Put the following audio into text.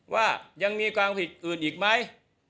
ว่ายังมีความผิดอื่นอีกไหม